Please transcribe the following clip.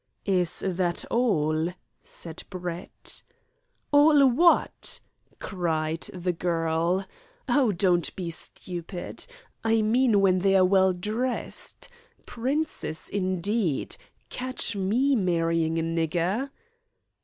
"Is that all?" said Brett. "All what?" cried the girl. "Oh, don't be stupid! I mean when they are well dressed. Princess, indeed! Catch me marrying a nigger."